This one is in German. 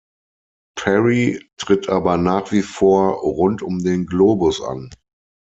Parry tritt aber nach wie vor rund um den Globus an.